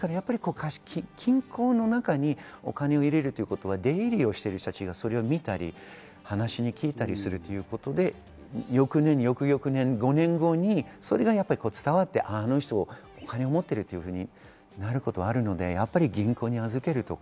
金庫の中にお金を入れるということは出入りをしている人たちがそれを見たり、話に聞いたりするということで、翌年、翌々年、５年後にそれが伝わって、あの人はお金を持っているというふうになることがあるので、銀行に預けるとか、